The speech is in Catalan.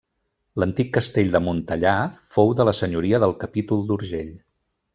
L'antic castell de Montellà fou de la senyoria del capítol d'Urgell.